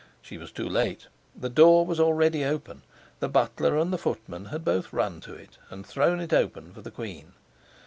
She was too late. The door was already open. The butler and the footman both had run to it, and thrown it open for the queen.